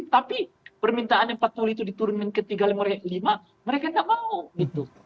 tapi permintaan yang empat puluh itu diturunin ke tiga puluh lima mereka lima mereka tidak mau gitu